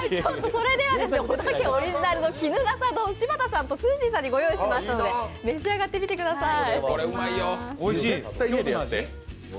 それではですね、小田家オリジナルの衣笠丼、柴田さんとすーじーさんにご用意しましたので召し上がってみてください。